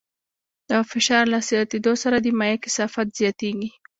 د فشار له زیاتېدو سره د مایع کثافت زیاتېږي.